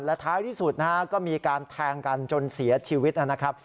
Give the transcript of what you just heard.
และท้ายที่สุดนะฮะก็มีการแทงกันจนเสียชีวิตนะครับ